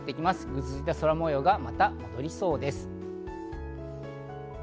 ぐずついた空模様がまた戻りそうです。